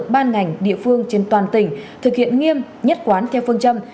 ban ngành địa phương trên toàn tỉnh thực hiện nghiêm nhất quán theo phương châm